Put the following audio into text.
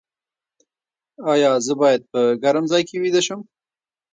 ایا زه باید په ګرم ځای کې ویده شم؟